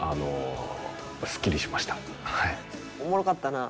おもろかったな。